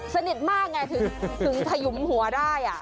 สนิทมากไงถึงขยุมหัวได้